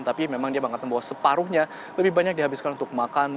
tapi memang dia mengatakan bahwa separuhnya lebih banyak dihabiskan untuk makan